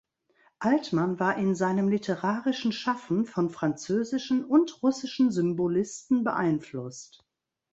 Altman war in seinem literarischen Schaffen von französischen und russischen Symbolisten beeinflusst.